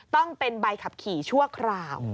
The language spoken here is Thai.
ต้องเป็นใบขับขี่ชั่วคราว